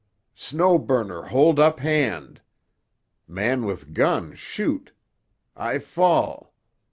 Snow Burner hold up hand. Man with gun shoot. I fall.